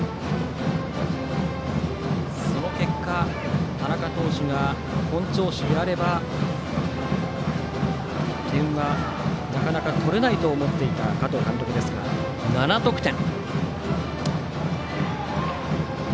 その結果、田中投手が本調子であれば点はなかなか取れないと思っていた加藤監督ですが、７得点。